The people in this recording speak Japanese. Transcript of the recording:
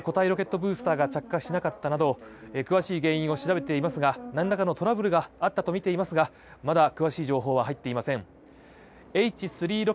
ＪＡＸＡはなぜ固体ロケットブースターが着火しなかったなど調査していて何らかのトラブルがあったとみられていますがまだ詳しい情報は入っていません。